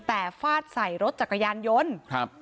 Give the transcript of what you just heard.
แต่ฟาดใส่รถจักรยานยนต์ครับ